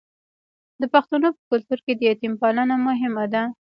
د پښتنو په کلتور کې د یتیم پالنه مهمه ده.